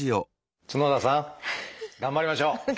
角田さん頑張りましょう。